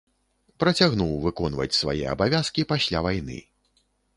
Працягнуў выконваць свае абавязкі пасля вайны.